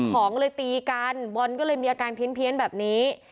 ของเลยตีกันบอลก็เลยมีอาการเพี้ยนแบบนี้